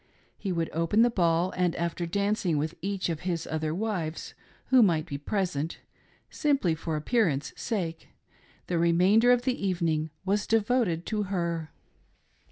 He would open the ball, and, after dancing with each of his other wives who might be present — simply for appearance sake — the remainder of the evening was devoted to her.